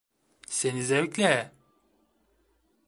Seni zevkle…